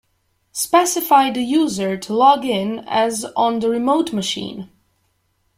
Specify the user to log in as on the remote machine.